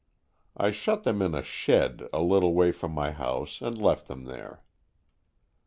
I shut them in a shed a little way from my house and left them there.